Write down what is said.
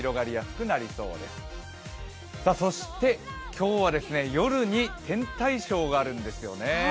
今日は夜に天体ショーがあるんですよね。